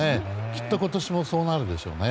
きっと、今年もそうなるでしょうね。